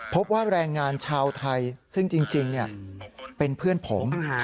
พบว่าแรงงานชาวไทยซึ่งจริงเป็นเพื่อนผม